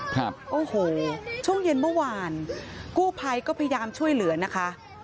ครับโอ้โหช่วงเย็นเมื่อวานกู้ภัยก็พยายามช่วยเหลือนะคะ